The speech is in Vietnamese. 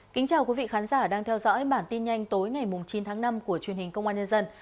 kính chào quý vị khán giả đang theo dõi bản tin nhanh tối ngày chín tháng năm của truyền hình công an nhân dân